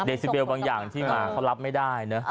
ซิเบลบางอย่างที่มาเขารับไม่ได้นะ